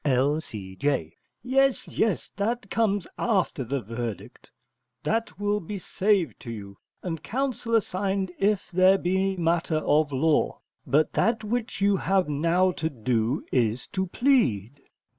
L.C.J. Yes, yes, that comes after verdict: that will be saved to you, and counsel assigned if there be matter of law: but that which you have now to do is to plead.